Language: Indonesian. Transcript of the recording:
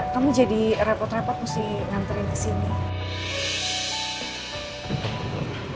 kamu jadi repot repot mesti nganterin ke sini